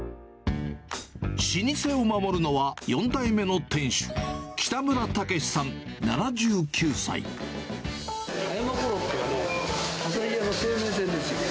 老舗を守るのは、４代目の店主、葉山コロッケはね、旭屋の生命線ですよ。